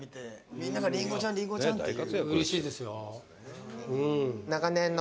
「みんなが“りんごちゃんりんごちゃん”って言う」